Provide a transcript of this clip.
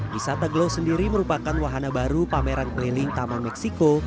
wisata glow sendiri merupakan wahana baru pameran keliling taman meksiko